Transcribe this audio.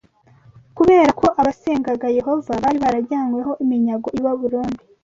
Kubera ko abasengaga Yehova bari barajyanyweho iminyago i Babuloni,